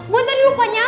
gue tadi lupa nyatain